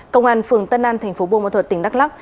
công an phường tân an thành phố buôn ma thuật tỉnh đắk lắc